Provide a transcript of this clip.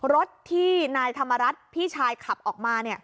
รถที่นายธรรมรัฐพี่ชายขับออกมา